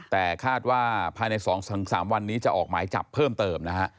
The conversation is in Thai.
แต่คาดว่าภายใน๒๓วันนี้จะออกหมายจับเพิ่มเติมนะฮะ